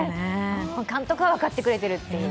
監督は分かってくれているという。